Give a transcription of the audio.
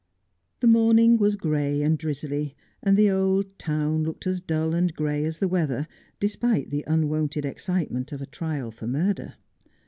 The morning was gray and drizzly, and the old town looked as dull and gray as the weather, despite the unwonted excitement of a trial for murder.